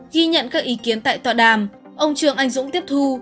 ghi nhận các ý kiến tại tọa đàm ông trường anh dũng tiếp thu